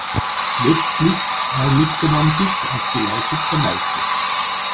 Letztlich einigte man sich auf die Lausitzer Neiße.